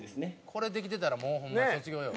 「これできてたらもうホンマに卒業よ」